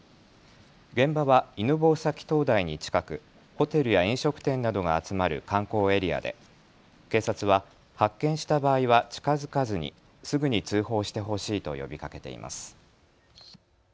現場は犬吠埼灯台に近くホテルや飲食店などが集まる観光エリアで警察は発見した場合は近づかずにすぐに通報してほしいと呼びかけています。